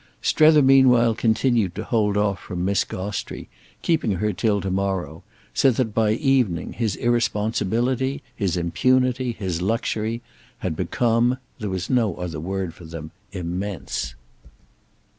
Strether meanwhile continued to hold off from Miss Gostrey, keeping her till to morrow; so that by evening his irresponsibility, his impunity, his luxury, had become—there was no other word for them—immense.